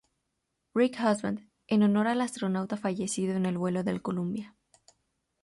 Rick Husband, en honor al astronauta fallecido en el vuelo del Columbia.